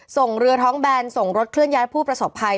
ส่งเรือท้องแบนส่งรถเคลื่อนย้ายผู้ประสบภัย